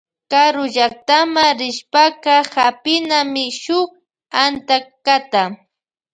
Karullaktama rishpaka hapinami shuk antankata.